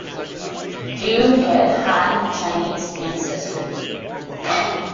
Du had Han Chinese ancestry.